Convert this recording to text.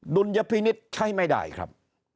ลยพินิษฐ์ใช้ไม่ได้ครับ